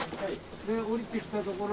でおりてきたところに。